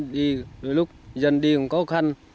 đôi lúc dân đi cũng khó khăn